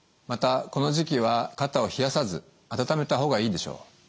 またこの時期は肩を冷やさず温めた方がいいでしょう。